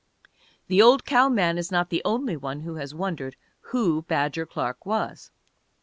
The old cow man is not the only one who has wondered who Badger Clark was.